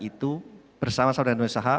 itu bersama sama dengan usaha